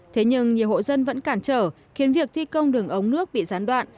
thế nhưng nhiều hộ dân vẫn cản trở khiến việc thi công đường ống nước bị gián đoạn